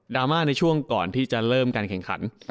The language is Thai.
รามาในช่วงก่อนที่จะเริ่มการแข่งขัน